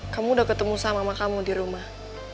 kamu udah ketemu sama kamu di rumah